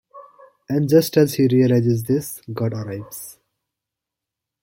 And just as he realizes this, God arrives.